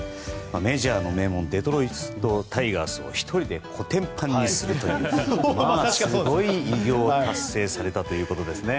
メジャーの名門デトロイト・タイガースを１人でコテンパンにするというまあ、すごい偉業を達成されたということですね。